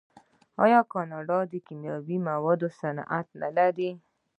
آیا کاناډا د کیمیاوي موادو صنعت نلري؟